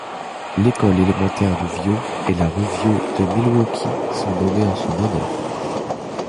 L'école élémentaire Vieau et la rue Vieau de Milwaukee sont nommées en son honneur.